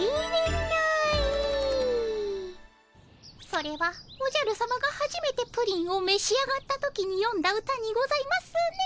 それはおじゃるさまがはじめてプリンをめし上がった時によんだうたにございますね。